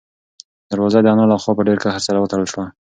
دروازه د انا له خوا په ډېر قهر سره وتړل شوه.